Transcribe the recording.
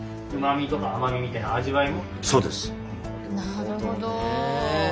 なるほど。